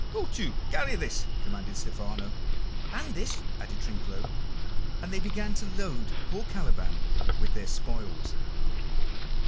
Go to, carry this!" commanded Stephano. "And this," added Trinculo; and they began to load poor Caliban with their spoils.